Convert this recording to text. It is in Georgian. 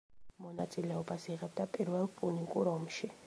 მონაწილეობას იღებდა პირველ პუნიკურ ომში.